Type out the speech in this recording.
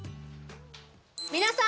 皆さん。